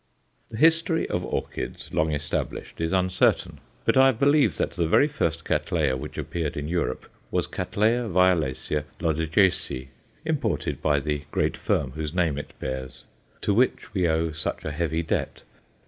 The history of Orchids long established is uncertain, but I believe that the very first Cattleya which appeared in Europe was C. violacea Loddigesi, imported by the great firm whose name it bears, to which we owe such a heavy debt.